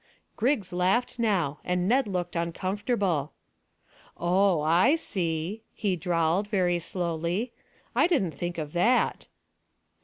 Griggs laughed now, and Ned looked uncomfortable. "Oh! I see," he drawled, very slowly. "I didn't think of that."